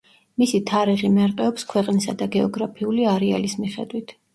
მისი თარიღი მერყეობს ქვეყნისა და გეოგრაფიული არეალის მიხედვით.